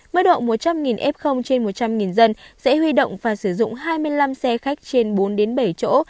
mức độ một trăm linh f trên một trăm linh dân sẽ huy động và sử dụng hai mươi năm xe khách trên bốn bảy chỗ